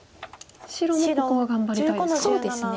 白もここは頑張りたいですか。